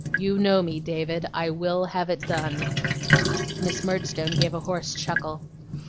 You know me, David. I will have it done.' Miss Murdstone gave a hoarse chuckle.